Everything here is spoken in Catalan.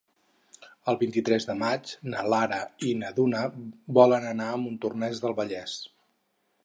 El vint-i-tres de maig na Lara i na Duna volen anar a Montornès del Vallès.